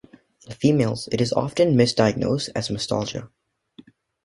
In females, it is often misdiagnosed as mastalgia.